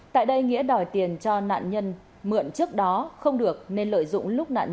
tại đây nghĩa đòi tiền cho nạn nhân mượn trước đó không được nên lợi dụng lúc nạn nhân